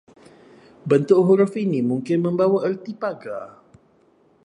Bentuk huruf ini mungkin membawa erti pagar